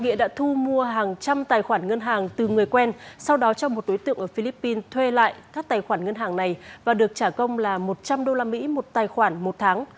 nghĩa đã thu mua hàng trăm tài khoản ngân hàng từ người quen sau đó cho một đối tượng ở philippines thuê lại các tài khoản ngân hàng này và được trả công là một trăm linh usd một tài khoản một tháng